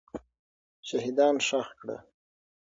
شهیدان ښخ کړه.